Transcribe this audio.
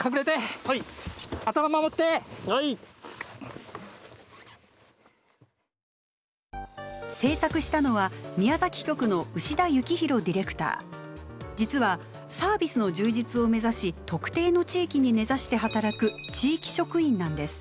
はい制作したのは実はサービスの充実を目指し特定の地域に根ざして働く地域職員なんです。